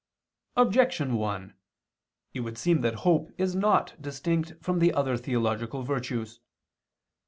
Objection 1: It would seem that hope is not distinct from the other theological virtues.